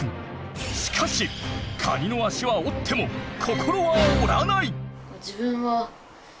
しかしカニの脚は折っても心は折らない！